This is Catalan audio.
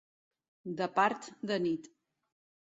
De part de nit.